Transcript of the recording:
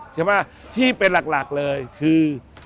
ใช่ไหมที่เป็นหลักเลยคือ